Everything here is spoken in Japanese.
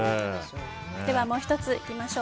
もう１つ、いきましょう。